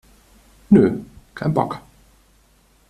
Nö, kein Bock!